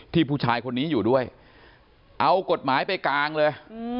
ผู้ชายคนนี้อยู่ด้วยเอากฎหมายไปกางเลย